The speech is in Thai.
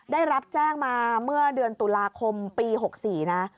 ได้รับแจ้งมาเมื่อเดือนตุลาคมปี๖๔นะ